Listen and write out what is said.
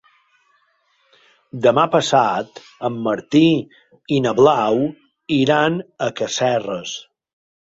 Demà passat en Martí i na Blau iran a Casserres.